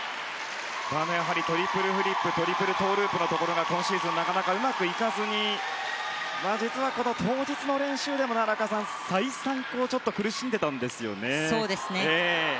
トリプルフリップトリプルトウループのところが今シーズンなかなかうまくいかずに実は当日の練習でも再三、苦しんでいたんですよね。